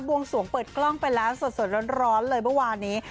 วงสวงเปิดกล้องไปแล้วสดร้อนเลยเมื่อวานนี้